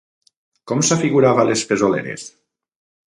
Com s'afigurava les fesoleres?